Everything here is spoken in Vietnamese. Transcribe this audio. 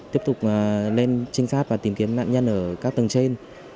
tiếp tục lên trinh sát và tìm kiếm nạn nhân ở các tầng trên